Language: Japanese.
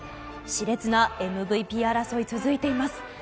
熾烈なＭＶＰ争い続いています。